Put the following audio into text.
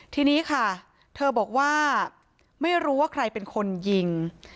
ทีนี้ค่ะเธอบอกว่าไม่รู้ว่าใครเป็นคนยิง